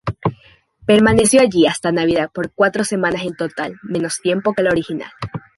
Permaneció allí hasta Navidad por cuatro semanas en total, menos tiempo que la original.